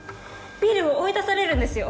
ビルを追い出されるんですよ？